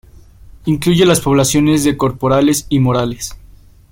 Incluye las poblaciones de Corporales y Morales.